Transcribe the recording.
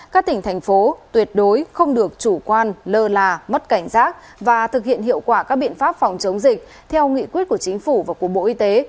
các tỉnh thành phố tuyệt đối không được chủ quan lơ là mất cảnh giác và thực hiện hiệu quả các biện pháp phòng chống dịch theo nghị quyết của chính phủ và của bộ y tế